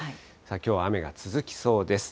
きょうは雨が続きそうです。